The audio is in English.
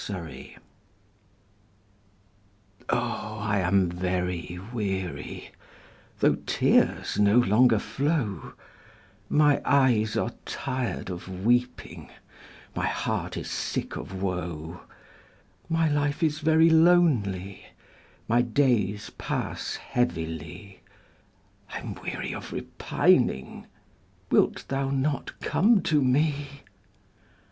APPEAL. Oh, I am very weary, Though tears no longer flow; My eyes are tired of weeping, My heart is sick of woe; My life is very lonely My days pass heavily, I'm weary of repining; Wilt thou not come to me?